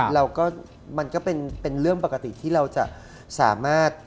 เราก็แปมาเป็นเรื่องปกติที่เราจะสามารถ